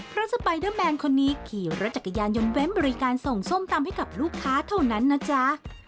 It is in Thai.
เพราะสไปเดอร์แมนคนนี้ขี่รถจักรยานยนต์แว้นบริการส่งส้มตำให้กับลูกค้าเท่านั้นนะจ๊ะ